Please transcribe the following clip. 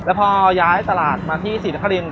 แล้วพอย้ายตลาดมาที่ศรีนครินท